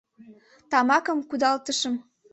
Тамакым кудалтышым.